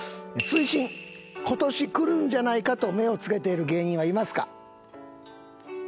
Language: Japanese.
「追伸ことしくるんじゃないかと目を付けている芸人はいますか？」